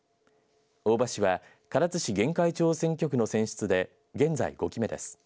大場氏は唐津市・玄海町選挙区の選出で現在５期目です。